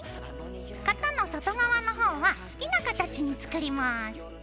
型の外側のほうは好きな形に作ります。